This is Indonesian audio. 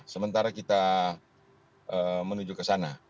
sementara kita menuju ke sana